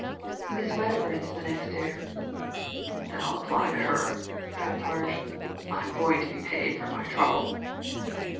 " Miss Wedderburn is the next heir." "Then I'll apply to her," cried Parge, "Fm going to be paid for my trouble."